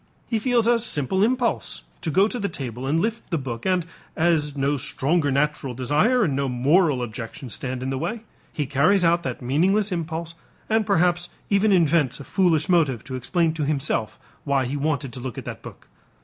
He feels a simple impulse to go to the table and lift the book and, as no stronger natural desire and no moral objection stand in the way, he carries out that meaningless impulse and perhaps even invents a foolish motive to explain to himself why he wanted to look at that book.